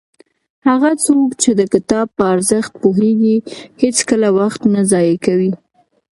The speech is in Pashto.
هغه څوک چې د کتاب په ارزښت پوهېږي هېڅکله وخت نه ضایع کوي.